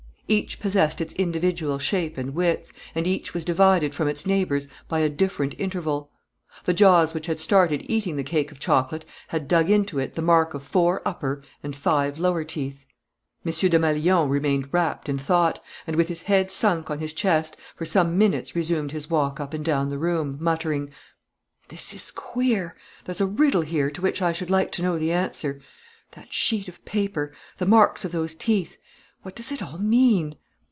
Each possessed its individual shape and width, and each was divided from its neighbours by a different interval. The jaws which had started eating the cake of chocolate had dug into it the mark of four upper and five lower teeth. M. Desmalions remained wrapped in thought and, with his head sunk on his chest, for some minutes resumed his walk up and down the room, muttering: "This is queer ... There's a riddle here to which I should like to know the answer. That sheet of paper, the marks of those teeth: what does it all mean?"